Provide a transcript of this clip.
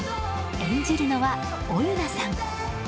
演じるのはオユナさん。